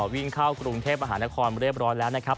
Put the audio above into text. วิ่งเข้ากรุงเทพมหานครเรียบร้อยแล้วนะครับ